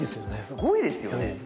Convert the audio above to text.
すごいですよね。